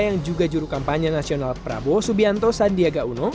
yang juga juru kampanye nasional prabowo subianto sandiaga uno